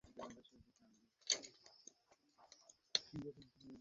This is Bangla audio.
আমার মানিক, কুট্টি।